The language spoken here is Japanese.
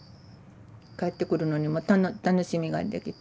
帰ってくるのにも楽しみができて。